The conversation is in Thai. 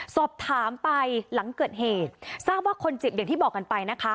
สอบถามไปหลังเกิดเหตุทราบว่าคนเจ็บอย่างที่บอกกันไปนะคะ